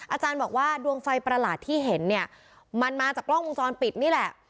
อาจารย์บอกว่าดวงไฟประหลาดที่เห็นเนี่ยมันมาจากกล้องวงจรปิดนี่แหละ